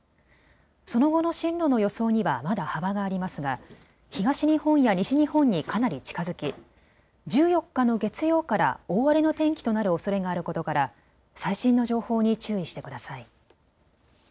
その後の進路の予想にはまだ幅がありますが東日本や西日本にかなり近づき１４日の月曜から大荒れの天気となるおそれがあることから最新の情報に注意してください。